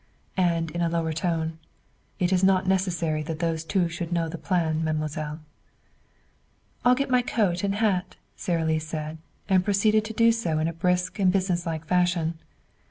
And in a lower tone: "It is not necessary that those two should know the plan, mademoiselle." "I'll get my coat and hat," Sara Lee said, and proceeded to do so in a brisk and businesslike fashion.